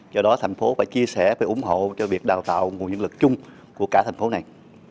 do đó thành phố phải chia sẻ và ủng hộ cho việc đào tạo nguồn nhân lực chung của cả thành phố này